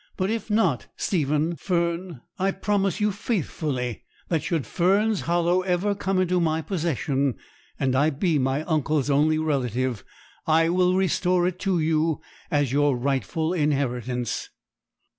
But if not, Stephen Fern, I promise you faithfully that should Fern's Hollow ever come into my possession, and I be my uncle's only relative, I will restore it to you as your rightful inheritance.'